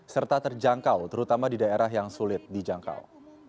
serta terjangkau terutama di daerah yang sulit dijangkau